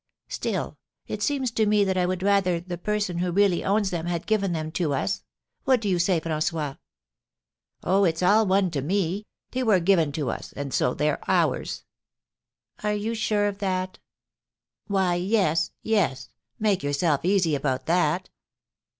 "Still, it seems to me that I would rather the person who really owns them had given them to us. What do you say, François?" "Oh, it's all one to me! They were given to us, and so they're ours." "Are you sure of that?" "Why, yes yes; make yourself easy about that."